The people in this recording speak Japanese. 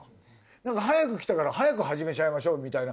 なんか早く来たから早く始めちゃいましょうみたいな。